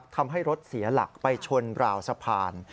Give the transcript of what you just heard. ทำให้รถเสียหลักไปชนราวสะพาน